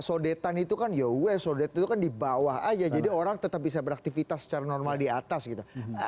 sodetan itu kan ya weh sodetan itu kan di bawah aja jadi orang tetap bisa beraktivitas secara normal di atas gitu